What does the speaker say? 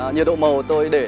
nhiệt độ màu tôi để